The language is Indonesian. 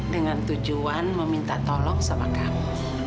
dengan tujuan meminta tolong sama kami